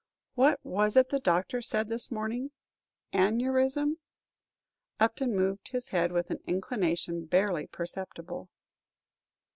What was it the doctor said this morning, aneurism?" Upton moved his head with an inclination barely perceptible.